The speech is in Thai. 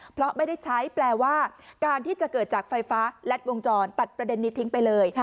เพราะไม่ได้ใช้แปลว่าการที่จะเกิดจากไฟฟ้ารัดวงจรตัดประเด็นนี้ทิ้งไปเลย